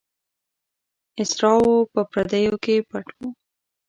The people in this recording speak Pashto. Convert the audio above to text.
اسرارو په پردو کې پټ وو.